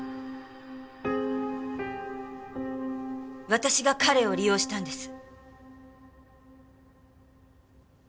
私が彼を利用したんです。